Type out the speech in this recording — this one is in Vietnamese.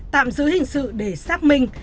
tạm giữ hình sự để xác minh